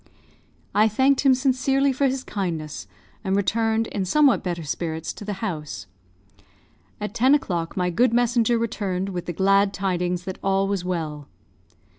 I thanked him sincerely for his kindness, and returned, in somewhat better spirits, to the house. At ten o'clock my good messenger returned with the glad tidings that all was well.